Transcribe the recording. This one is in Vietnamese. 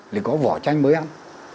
thì có vỏ chanh mới ăn